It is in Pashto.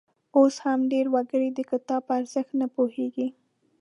اوس هم ډېر وګړي د کتاب په ارزښت نه پوهیږي.